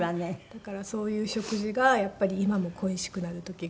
だからそういう食事がやっぱり今も恋しくなる時があります。